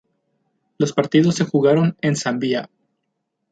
Los partidos se jugaron en Zambia.